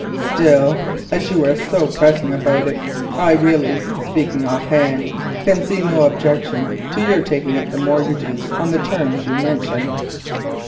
"Still, as you are so pressing about it, I really, speaking off hand, can see no objection to your taking up the mortgages on the terms you mention."